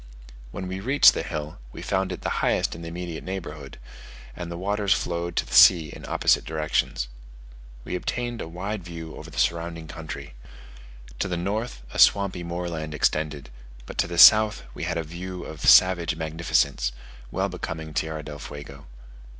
When we reached the hill we found it the highest in the immediate neighbourhood, and the waters flowed to the sea in opposite directions. We obtained a wide view over the surrounding country: to the north a swampy moorland extended, but to the south we had a scene of savage magnificence, well becoming Tierra del Fuego.